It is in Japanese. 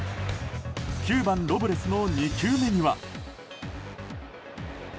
９番、ロブレスの２球目には。